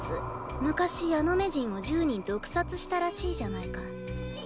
昔ヤノメ人を１０人毒殺したらしいじゃないか。